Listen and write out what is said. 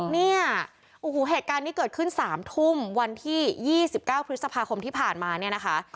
เนี่ยโอ้โหเหตุการณ์นี้เกิดขึ้น๓ทุ่มวันที่๒๙พฤษภาคมที่ผ่านมาเนี่ยนะคะ